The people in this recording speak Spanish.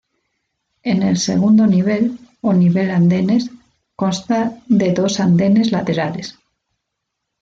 En el segundo nivel, o nivel andenes, consta de dos andenes laterales.